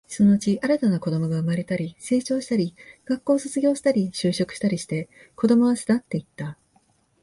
そのうち、新たな子供が生まれたり、成長したり、学校を卒業したり、就職したりして、子供は巣立っていった